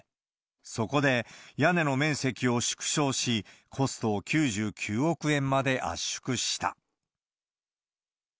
そこで、屋根の面積を縮小し、コストを９９億円まで圧縮した。